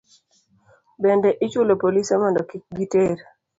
Bende, ichulo polise mondo kik giter